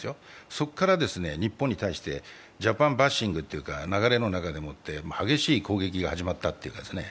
そこから日本に対して、ジャパンバッシングという流れの激しい攻撃が始まったんですね。